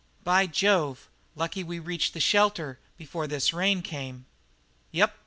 "By Jove! lucky we reached this shelter before the rain came." "Yep.